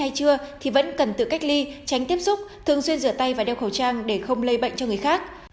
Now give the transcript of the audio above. hay chưa thì vẫn cần tự cách ly tránh tiếp xúc thường xuyên rửa tay và đeo khẩu trang để không lây bệnh cho người khác